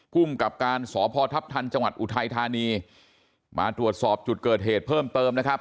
ภูมิกับการสพทัพทันจังหวัดอุทัยธานีมาตรวจสอบจุดเกิดเหตุเพิ่มเติมนะครับ